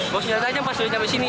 bos jatuh tajam pas sudah sampai sini